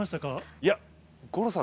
いや、五郎さん